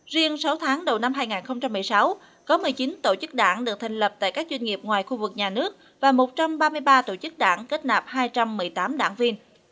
riêng sáu tháng đầu năm hai nghìn một mươi sáu có một mươi chín tổ chức đảng được thành lập tại các doanh nghiệp ngoài khu vực nhà nước và một trăm ba mươi ba tổ chức đảng kết nạp hai trăm một mươi tám đảng viên